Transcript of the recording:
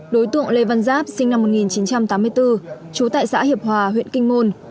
đối tượng lê văn giáp sinh năm một nghìn chín trăm tám mươi bốn trú tại xã hiệp hòa huyện kinh môn